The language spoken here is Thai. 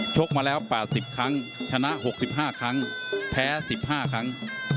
กมาแล้ว๘๐ครั้งชนะ๖๕ครั้งแพ้๑๕ครั้ง